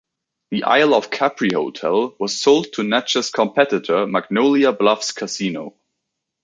The Isle of Capri hotel was sold to Natchez competitor Magnolia Bluffs Casino.